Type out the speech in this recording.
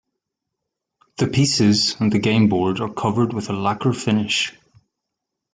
The pieces and the game board are covered with a lacquer finish.